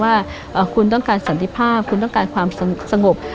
ว่าคุณต้องการสันติภาพคุณต้องการความสงบ